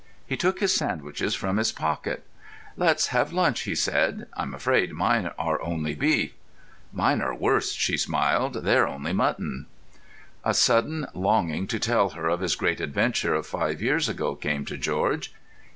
He took his sandwiches from his pocket. "Let's have lunch," he said. "I'm afraid mine are only beef." "Mine are worse," she smiled. "They're only mutton." A sudden longing to tell her of his great adventure of five years ago came to George.